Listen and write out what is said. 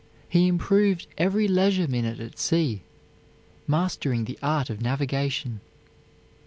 He improved every leisure minute at sea, mastering the art of navigation.